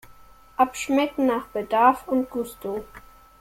Abschmecken nach Bedarf und Gusto!